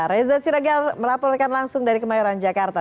reza siragar melaporkan langsung dari kemayoran jakarta